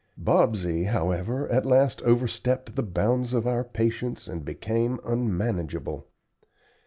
Bobsey, however, at last overstepped the bounds of our patience and became unmanageable.